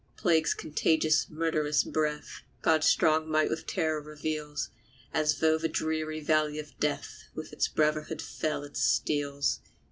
Plague's contagious murderous breath God's strong might with terror reveals, As through the dreary valley of death With its brotherhood fell it steals!